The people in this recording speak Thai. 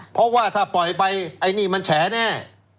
เพราะว่าถ้าปล่อยไปไอ้นี่มันแฉแน่